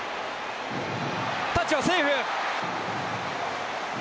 タッチはセーフ！